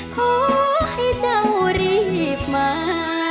ขอให้เจ้ารีบมา